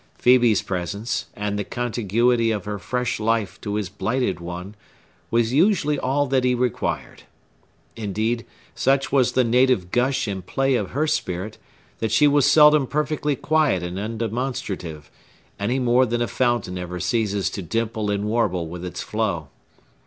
Phœbe's presence, and the contiguity of her fresh life to his blighted one, was usually all that he required. Indeed, such was the native gush and play of her spirit, that she was seldom perfectly quiet and undemonstrative, any more than a fountain ever ceases to dimple and warble with its flow.